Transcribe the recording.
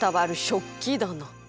食器だな。